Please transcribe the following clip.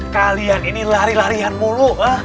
kalian ini lari larian mulu